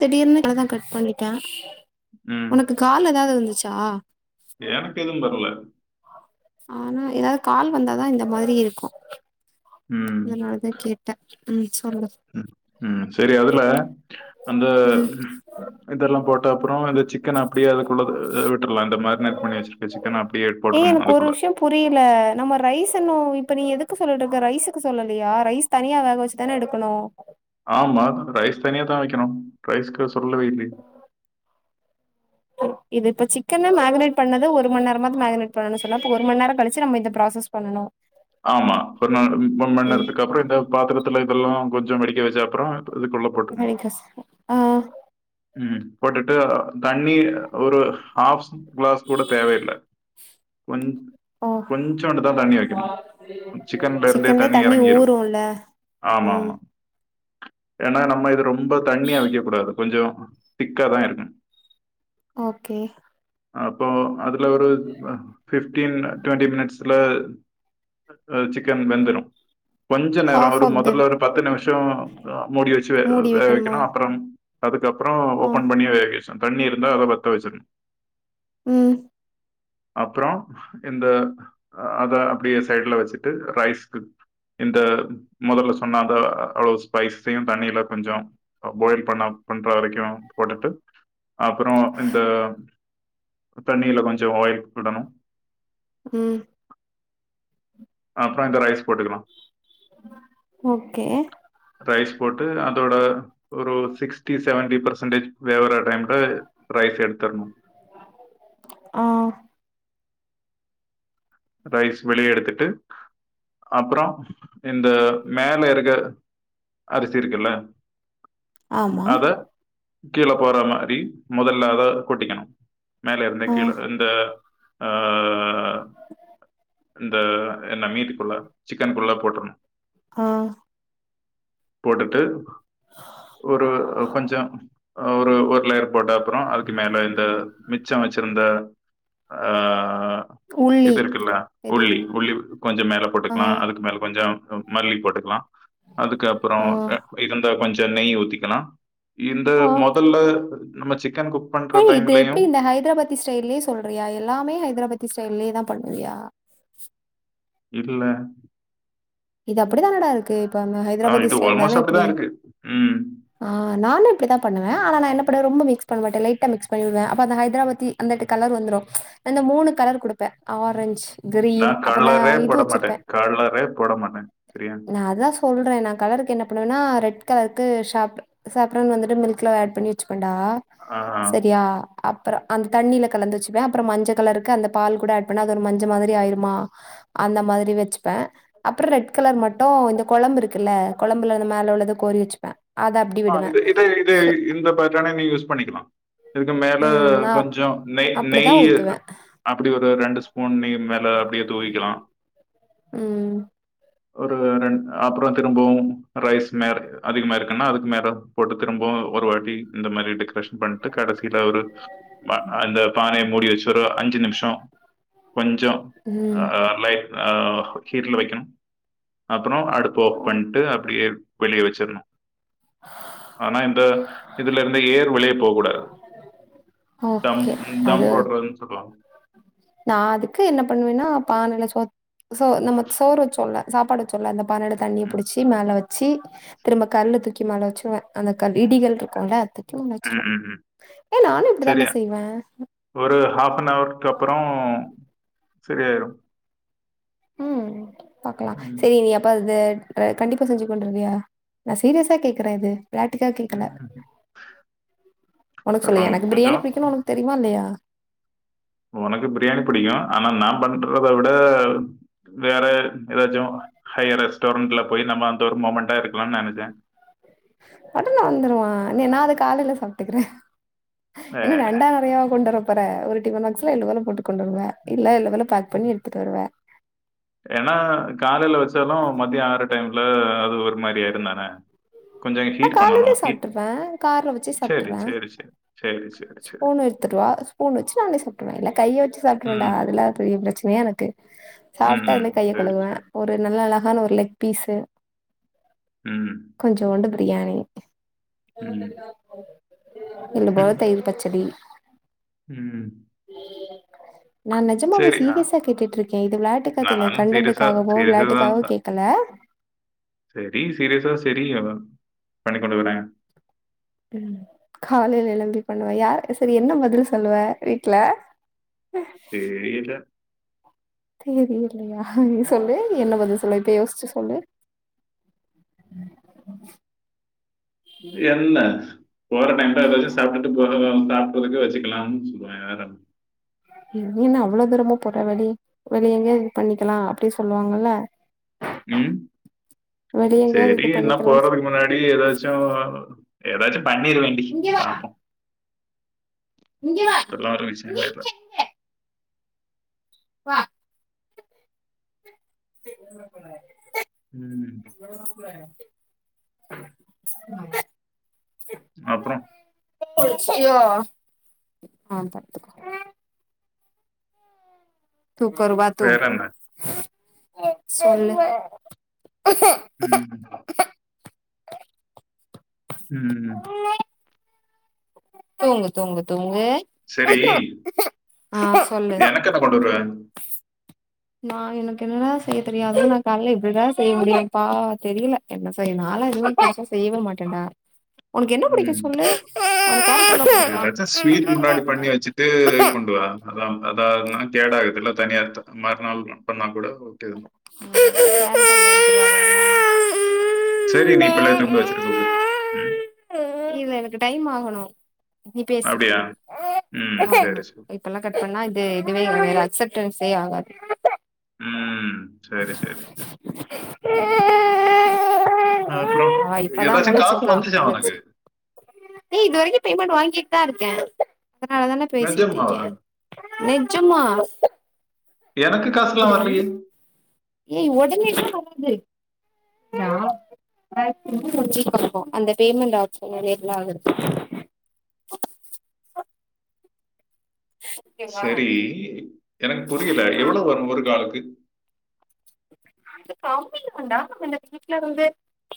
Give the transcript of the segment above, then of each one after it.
திடீர்னு [unintelligible] கட் பண்ணிட்டா ம் உனக்கு கால எதாவ்து வந்துச் சா எனக்கு எதும் வர்ல ஆனா எதாது கால் வந்தாதா இந்த மாரி இருக்கு ம் அதனாலதா கேட்ட ம் சொ ம் செரி அதுல அந்த ம் இதெல்லா போட். அப்புறோ இந்த சிக்கன அப்டியே அதுக்குள்ளத விட்ரலா இந்த மேரினெட் பண்ணி வச்சிருக்க சிக்கன அப்டியே ஏய் போட்ரனு எனக்கு ஒரு அதுக்குள்ள விஷயம் ப்ப நீ எதுக்கு சொல்லிட்ருக்க ரைஸுக்கு சொல்லலயா ரைஸ் தனியா வேக வச்சுதான எடுக்கனு ஆமா ரைஸ் தனியா தா வக்கனு‌ ரைஸ்க்கு இத சொல்லவே இல்லே இது இப்ப சிக்கன மேரினேட் பண்ணத ஒருமண் நேரமாது மேரினட் பண்ணும் சொன்ன இப்ப ஒரு மண் நேர கழிச்சு நம்ம இந்த ப்ராசஸ் பண்ணனு ஆமா ஒரும ஒரு மண் நேரத்துக்கப்றோ இந்த பாத்திர த்துல்ல‌ இதெல்லா கொஞ்சம் அடிக்க வச்ச அப்றம் அடிக்கச ஆ ம் போட்டு ட்டு தண்ணி ஒரு ஹாஃப் க்ளாஸ் கூட தேவையில்ல கொஞ் ஓ சிக்கன்ல இருந்தே சிக்கன்லே தண்ணி இறங்கிடும் ஊறூல்ல ம் ஏனா நம்ம இது ரொம் ப தண்ணியா வக்கக் கூடாது கொஞ்சொ திக்காதா இருக்கு ஓகே அப்போ அது ஒரு ஃபிப்டீன் டுவெண்ட்டி மினிட்ஸ்ல சிக்கன் வெந்துரும் கொஞ்ச நேரம் ஹாஃப் ஒரு ஆஃப் த முதல்ல ஒரு பத்து நிமிஷோ மூடி வச்சு வே மூடி வே வைக்கணுமா வைக்கணு அப்புறம் அது அப்புறோ ஆ ஓபன் பண்ணிய வ தண்ணி இருந்தா அத பத்த வச்சிரு ம் அப்புறோ இந்த அத அப்படியே சைடுல வச்சுட்டு ரைஸ்கு இந்த மொதல்ல சொன்ன அத அவ்ளவு ஸ்பைஸ்யு தண்ணியில கொஞ்சம் பாயில் பண்ண பண்ற வரைக்கு போட்டுட்டு அப்புறோ இந்த தண்ணில கொஞ்சோ ஆயில் விடணு ம் அப்புறோ இந்த ரைஸ் போட்டுக்கலா ஓகே ரைஸ் போட்டு அதோட ஒரு சிக்ஸ்டி செவன்டி பெர்சன்டேஜ் வேவுற டைம்ல ரைஸ் எடுத்தரணு ஆ ரைஸ் வெளிய எடுத்துட்டு அப்புறோ இந்த மேல இறுக அரிசி இருக்குல்ல ஆமா அத கீழ போற மாதிரி மொதல்ல அத கொட்டிக்கணு மேல இருந்த ஆ கீழ இந்த ஆஆ ஆ ஆ இந்த என்ன மீட்க்குள்ள சிக்கன் குள்ள போட்ருணு ஆ போட்டுட்டு ஒரு கொஞ்சம் ஒரு ஒருலேயர் போட்ட அப்பறோ அதுக்கு மேல இந்த மிச்சம் வச்சிருந்த ஆ ஆ உள்ளி இது இருக்ல்ல உள்ளி உள்ளி கொஞ்சம் மேல ஆ போட்டுக்கலா அதுக்கு மேல கொஞ்ச கொஞ்சம் மல்லி போட்டுக்கலா அதுக்கப்புறோ ஆ இருந்தா கொஞ் அ நெய்யி ஊத்திக்கலா இந்த மொதல்ல நம்ம சிக் ஹேய் இது எப்டி இந்த ஹைத்ராபாத்தி ஸ்டைல்லயே சொல்றியா எல்லாமே ஹைத்ராபாத்தி வெல்லே தான் பண்ணுவியா வீட்ல இது அப்படித்தானடா இருக்கு இப்ப நம்ம ஆ ஹைத்ராபாத்தி இது ஸ்டைல் தானே ஆல்மோஸ்ட் இப்டி அப்படிதான் இருக்கு. ம். ஆ நானும் இப்படித்தான் பண்ணுவன் ஆன நா என்ன பண்ணுவன் ரொம்ப மிக்ஸ் பண்ணமாட்டேன் லைட்டா மிக்ஸ் பண்ணிருவன் அப்ப அந்த ஹைத்திராபாத்தி அந்த கலர்வந்துரும் அந்த மூணு கலர் கொடுப்பன் ஆரஞ்சு நான் கலரே போட மாட்டேன் கலரே போட மாட்டேன் மட் சரியா சொல்றேன் நா கலருக்கு என்ன பண்ணுவோனா ரெட் கலருக்கு சாப்ரான் வந்துட்டு மில்க்ல ஆட் பண்ணி வச்சுகுவேன் வண்டா ஆ. சரியா அப்பறம் அந் தண்ணியில கலந்து வச்சப்பேன் அப்பறம் மஞ்ச கலருக்கு அந்த பால் கூட அப்பன்னா அது ஒரு மஞ்ச மாதிரி ஆயிரும்மா அந்த மாதிரி வெச்சுப்பேன் அப்புறம் ரெட் கலர் மட்டும் இந்த கொழம்பு இருக்குல்ல கொழம்புல அது மேல உள்ளத கோரி வச்சுப்பேன் ஆ இது இதே இதே இந்த பட்டணே நீ யூஸ் பண்ணிக்கலாம் இதுக்கு மேல ம் நா கொஞ்சம் நெய் அப்டிதா நெய் ஊத்துவே அப்படி ஒரு ரெண்டு ஸ்பூ பொண்ணி மேல அப்டியே தூவிக்கலாம் ம் ஒரு ரென் அப்புறோம் திரும்பவும் ரைஸ் மேர் அதிகமா இருக்குன்னா அது மேற போட்டு திரும்ப ஒரு வாட்டி இந்த மாதிரி டிக்ரெஷன் பண்ணிட்டு கடைசியில ஒரு அந்த பானைய மூடி வச்சுருவ அஞ்சு நிமிஷம் கொஞ்சம் ஆ ம் மைல் ஆ ஹீட்டில்ல வைக்கணும் அ அப்புறோம் அடுப்பு ஆஃப் பண்ட்டு அப்படியே வெளியே வச்சர்னும் ஆனா இந்த இதுல இருந்து ஏர் வெளியே போ கூடாது தம் ஓகே அது தம் போடுறதுன்னு சொல்லுவாங்க நா அதுக்கு என்ன பண்ணுவேன்னா பானையில சோத் சோ நம்ம சோறு வச்சோல்லல சாப்பாடு வச்சோல்ல அந்த பனடு தண்ணிய ம். புடிச்சு மேல வச் ச்சி திரும்ப கல்லு தூக்கி மேல வச்சுருவே அந்த கல் இடிகள் தூக்குவோல அதக் தூக்கி முன்னா ம், வச்ருவே ம், ம். ஏ நானு சரி. இப்டித்தான்டா செய்வே ஒரு சரியாயிரு ம் பாக்கலா சரி நீ அப்ப அது அ கண்டிப்பா செஞ்சுக் கொண்டுவர்வியா நா சீரியஸா கேக்குறே இது விளாட்டுக்கா கேட்கல ம். உனக்கு சொல்லு அப்புறம் எனக்கு பிரியாணி கொஞ்சம் பிடிக்கும்னு உனக்கு தெரியுமா இல்லையா உனக்கு பிரியாணி புடிக்கு ஆனா நா பண்றத விட வேற ஏதாச்சு ஹையர் ரெஸ்டாரண்ட்ல போய் நம்ம அந்த ஒரு மூமெண்டா இருக்கலாம்னு நினைச்சே மட்டல்ல வந்துருவா நீ நா அத காலையில சாப்பிட்டுக்கறே அ. என்னரெண்டாதுஅறையாவா கொண்டு வர போறே ஒரு டிஃபன் பாக்ஸ்ல எனக் ஒன்னு போட்டு கொண்டு வருவ இல்ல ம் எள்ளு போல பேக் ம் பண்ணி எடுத்துட்டு வருவ ஏன்னா காலையில வச்சாலு மதியான டைம்ல அது ஒரு மாரியாயிருந்தானே அ நா காலிலயே சாப்ட்டுப்பே கார்ல வச் சரி சரி சரி சரி சரி, சரி. ஸ்பூன் எடுத்துட்டுவா ஸ்பூன் வச்சு நானே சாப்ட்ருவே இல்ல கைய வச் எடுத்து சாப்பிடுறவன்டா ம். அதுல்லா பெரிய பிரச்சனையா எனக்கு சாப்பிட்ட ம். அதுலே கைய சரி, கழுவுவே சரி. ஒரு நல்ல அது அழகான ஒரு லெக் பீஸு ம். கொஞ்சோன்டு பி ரியாணி [inaudible] ம். ம் பச்சடி ம் நா நெஜமாவே சரி. அ சீரியஸா கேட்டுட்டு இருக்கே இது விளையாட்டுக்காக்கல நான் சீரியஸா கண்டண்டுக்காகவோ விளையாட்டுக்காகவோ கேட்க்கல செரி சீரியஸா செரி பண்ணி கொண்டு வறே ம் காலையில எழுந்து பண்ணுவ யார் செரி என்ன பதில் சொல்லுவ வீட்டுல தெரியல தெரியல்லையா நீ சொல்லு என்ன பதில் சொல்லுவ இப்ப யோசிச்சு சொல்லு ம் என்ன போற டைம்தா ஏதாச்சு சாப்ட்டுட் போரதம் சாப்பிட்டறதுக்கு வச்சுகலாம்னு சொல்லுவே வேற என்ன இல்ல இல்ல அவ்வளவு தூரமா போற வெடி வேற எங்கயாவது பண்ணிக்கலா அப்படினு சொல்லுவாங்கல்ல ம் வெளிய எங்கயாவது செரி இது என்ன பண்ணிக்கலான் போறதுக்கு முன்னாடி ஏதாச்சு ஏதாச் பண்ணிரு வேண்டி இங்க வா பாப்போ இங்க வா இங்க விஷயமே இல்ல. இங்க இங்க வா ம். [unintelligible] [unintelligible] அப்புறோ ச்சியோ அவ்ளதா தூக்கவருவா வேற தூங்கு என்ன? சொல்லு ம் ம் தூங்கு தூங்கு தூங்கு சரி. ஆ சொல்லு எனக்கு என்ன கொண்டு வருவ? நா எனக்கு என்ன செய்ய தெரியாது நா காலைல பிரியாணி செய்ய முடியும்மா பா தெரியல என்ன செய்யுலாம்னு தெரியல செய் வர மாட்டேன்டா உனக்கு என்ன பிடிக்கு சொல்லு உனக்கு ஏதாச்சு ஸ்வீட் காசு முன்னாடி பண்ணி வச்சிட்டு கொண்டு வா அத அதாவா கேடாது இல்ல தனியார்த்த மறுநாள் பண்ணா கூட ஓகே தான். [unintelligible] [unintelligible] செரி நீ பிள்ளைய தூங்க வச்சிட்டு கூப்பிடு ம் இல்ல எனக்கு டைம் ஆகணு நீ பேசு அப்படியா? ம். ஆகணு சரி, சரி. இப்பலா கட் பண்ணா இது இதுவே என்மேல அக்செப்ட் டென்ஸ் யே ஆகாது ம் சரி சரி சரி ம் அப்புறோ அவ இப்பதான் ஏதாச்சு காசு முழிச்சிருக்கா வந்துச்சா முழிச்சு உனக்கு தா இருக்கே அதனாலதானே பேசிட்டு நிஜமாவா? இருக்கேன் நெட் நெஜமா எனக்கு காசு ல்லா வர்லயே ஏய் உடனே எ வராது முடிச்சப்ப அந்த பேமெண்ட் நா ஆகுது [unintelligible] ஓகேவா சரி எனக்கு புரியல எவ்வளோ வரு ஒரு காலுக்கு பாத்துட்ருக்கண்டா வீட்டுல வந்து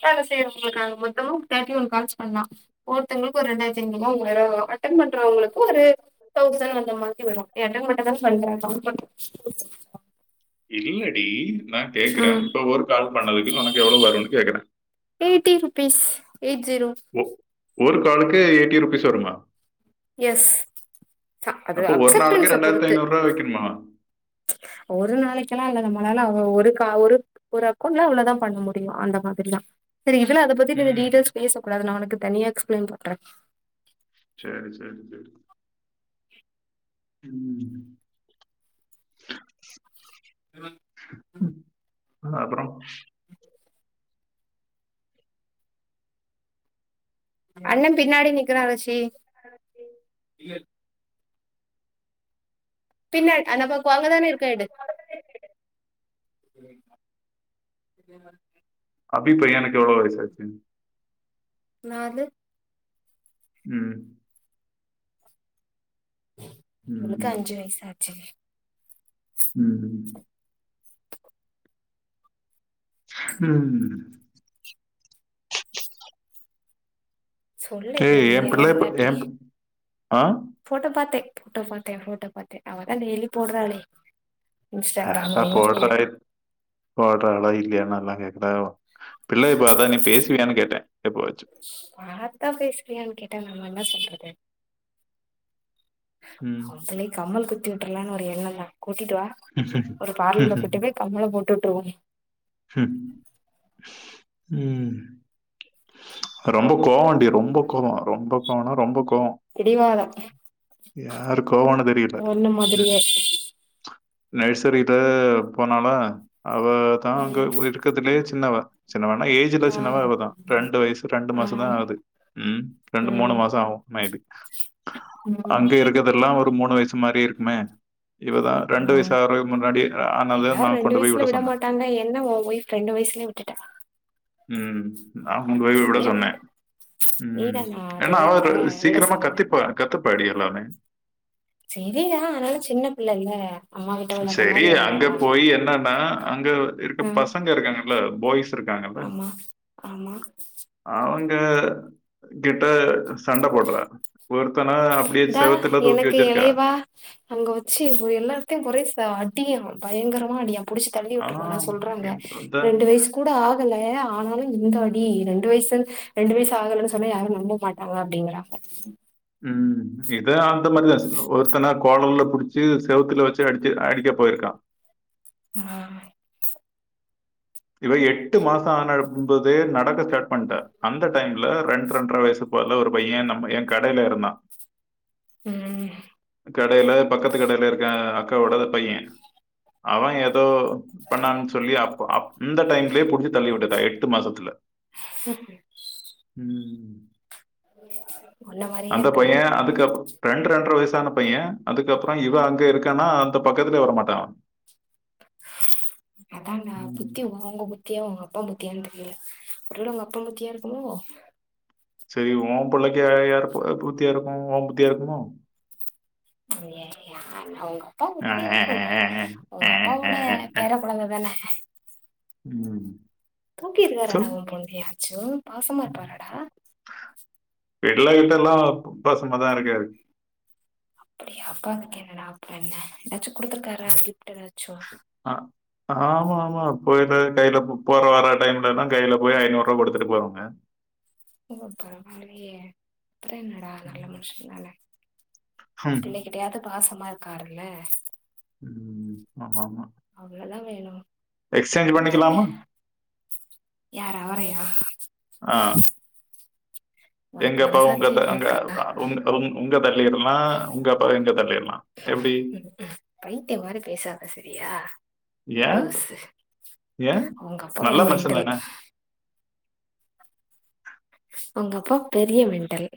வேல செய்யறவங்களுக்குங்க மொத்தஃ தேட்டி ஒன் கால்ஸ் பண்ணலா ஒருத்தவங்களுக்கு ஒரு ரெண்டாயிரத்திஐநூருவா மூவாயிருவா வரு அடனெட் பண்றவங்களுக்கு ஒரு தௌசண்ட் அந்த மாதிரிவரு அடன்மட்டுதனே பண்ற இல்லடி நா கேக்குறே ம் இப்ப ஒரு கால் பண்ணதுக்கு உனக்கு எவ்வளோ வரும்னு கேக்குறே எய்ட்டி ருபீஸ் எய்ட் ஜீரோ ஒ ஒரு காலுக்கு எய்ட்டி ருபீஸ் வருமா எஸ் ச அது அப்போ ஒரு நாளைக்கு அப்சன்ட்ஸ பொறுத்து வைக்கணுமா? ஒரு நாளைக் வைக்லா இல்ல நம்மளால ஒரு ஒரு அக்கௌண்ட்ல இவ்ளதா பண்ண முடியு அந்த மாதிரிதா சரி இதுல அத பத்தி நீ ம். டீட்டெய்ல்ஸ் பேச கூடாது நா உனக்கு தனியா எக்ஸ்பிளைன் பண்றே சேரி சேரி சேரி ம் இவன் ஆ அப்புறோ அண்ண பின்னாடி நிக்கிறா ரிஷி ஆரி இய பின்னர் அங்கப்பப்போ அங்கதனே இருக்கா எடு அபி பையனுக்கு எவ்ளோ வயசாச்சு நாலு ம் அவளுக்கு ம். அஞ்சு வயசு ஆச்சு ம் ம் சொல்லு இப்படி ஏய் என் அமைதியாவா பிள்ளை இப்ப இருந்தா எப்டி என் பி ஆ போட்டோ பார்த்தே போட்டோ பாத்தே போட்டோ பாத்தே அவ தா டெய்லி போடுறாளே ஆ போடுறால போடுற அளா இல்லயால்லா கேக்குறா பிள்ளைய பாத்தா நீ பேசு சுவியானு கேட்டே ஸ் பாத்தா பேசுவியான்னு கேட்டே நம் என்ன சொல்றது ம். அவுங்கலே கமல்க்கு திட்டுவுட்ரலான்னு ஒரு எண்ணதா கூட்டிட்டு வா ஒரு பார்ல கூட்டு போய் கம்மள போட்டு ட்டுடுருவோமே ம் ரொம்போ கோவண்டி ரொம்ப கோவோ ரொம்ப கோவோனா ரொம்ப கோ பிடிவாதோ யார் கோவம்னு தெரியல. ஒன்ன ம். மாதிரியே நர்சரியில போனால அவ தா அங்க ம் இருக்கிறதுலியே சின்னவ சின்னவனா ஏஜ்ல ஆ சின்னவா இவதா ரெண்டு வயசு ரெண்டு ஆ மாசோதா ஆகுது ம் ரெண்டு மூணு ம் மாசோ ஆகு மே ம் அங்க இருக்கதெல்லா ஒரு மூனு வயசு மாரி இருக் மே இவதா ரெண்டு ஆ வயசு ஆக்குற முன்னாடி ஆனத நா கொண்டு போய் விட சொன்னே ன்ன ஒ ஒய்ஃப் ரெண்டு வயசிலே விட்டுட்ட ம் ஆமாங் கோய்வுட சொன்னே விட் ம் நீதானா அது ஏன்னா அப்ப அவ விட சீக்கிரமா சொன்னது கத்திப்பா கத்துப்பாடி எல்லாமே [unintelligible] சேரிதா அனாலு சின்ன பிள்ள இல்ல சேரி அங்க போய் என்னன்னா அங்க இருக்க ஆ பசங்க இருக்காங்கல்ல பாய்ஸ் இருக்காங்கல்ல ஆமா ஆமா அவ ங்க கிட்ட சண்ட போடற ஒரு தா எனக்கு எலைவா அங்க வச்சி எல்லா த்து கொறை அடிக்க பயங்கரமா அடியா புடிச்சு தள்ளி ஆ விட்டுருவா நா சொல்றாங்க எனக்கு வந்தா ரெண்டு வயசு கூட ஆகல ஆனாலு இந்தாடி ரெண்டு வயசுன் ரெண்டு வயசு ஆகலன்னு சொன்னா யாரு நம்ப மாட்டாங்க அப்பிடிங்கறாங்க ம் இது ஆ இந்த மாரிதா அசிகனு ஒருத்தன பாலுல்ல புடிச்சி செவுத்துல வச்சி அடிச்சி அடிக்க போயிருக்கா ஆ இவ எட்டு மாசோ ஆனபதே நடக்க ஸ்டார்ட் பண்ணட்ட அந்த டைம்ல ரெண்டு ரெண்டரை வயசு போல ஒரு பையன் நம்ம ஏ கடையில இருந்தா ம் கடையில பக்கத்து கடைல இருக்கே அக்காவோட அத பைய அவ ஏதோ பண்ணான் சொல்லி அப்போ அப் இந்த டைம்லேயே புடிச்சு தள்ளி விட்டுடா எட்டு மாசத்துல ம் [inaudible] ஒன்ன மாரியே அந்த இருக்குடா பையன் அதுக்கப்புறம் ரெண்டு ரெண்டர வயசான பைய அதுக்கப்பறம் இவ அங்க இருக்கன்னா அந்த பக்கத்துலையே வர மாட்டா அதான்டா ம் புத்தி வொங்க புத் புத்தியா அவுங்க அப்பா புத்தியான்னு தெரில ஒரு வேல அவங்க அப்பா புத்தியா இருக்குமோ செரி ஓ புள்ளைக்கு யார் புத்தியா இருக்கு உ புத்தியா இருக்குமோ ஐய யார்னா உங்க அப் அப்பா முக்கிய சொன்னே அவுங்க அப்பாவோட பேரக் கொழந்த தானே ம் தூக்கிருரா ஸோ ராடா உ பொந்த ஏயாச்சு பாசமா இருப்பாரடா வெடில கிட்ட எல்லா பாசமா தா இருக்காரு அப்டியா அப்பா அதுக்கு என்னடா அப்பற என்ன ஏதாச்சு என்ன அ ஆமா ஆமா போய்டு கையில புக் போற வர டைம்ல தா கையில போய் ஐநூறு ரூபா குடுத்துட்டு போவாங்க உம பரவாயில்லையே அப்பறம் என்னடா நல்ல மனுஷ தானே ஹம். பிள்ளை கிட்டயாது பாசம் மா இருக்கார்ல்ல ம் ஆமா ஆமா அவ்ளோதா வேணு எக்ஸ்சேஞ்ச் பண்ணிக்கலாமா யார அவரயா ஆ உனக்கு எங்க அப்பா உங்க மனசாட்சி அங்க இருக்கா உங்க உ உங்க தள்ளிறலா உங்க அப்பா எங்க தள்ளிறலா எப்டி பைத்தியம் மாரி பேசாத சரியா ஏ லூசு ஏ உங்க அப்பா நல்ல ஒரு மனுஷ மென்டல் தானே வொங்க அப்பா பெரிய மெண்டல்